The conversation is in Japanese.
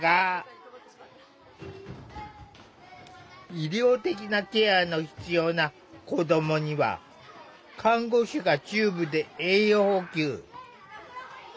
医療的なケアの必要な子どもには看護師がチューブで栄養補給。